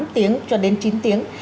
tám tiếng cho đến chín tiếng